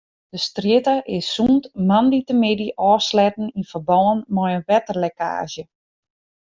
De strjitte is sûnt moandeitemiddei ôfsletten yn ferbân mei in wetterlekkaazje.